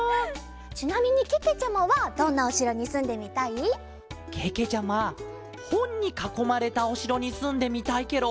ちなみにけけちゃまはどんなおしろにすんでみたい？けけちゃまほんにかこまれたおしろにすんでみたいケロ。